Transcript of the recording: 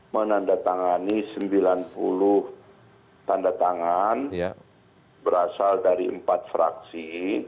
menandatangani sembilan puluh tanda tangan berasal dari empat fraksi